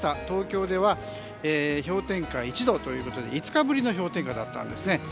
東京では氷点下１度ということで５日ぶりの氷点下だったんですね。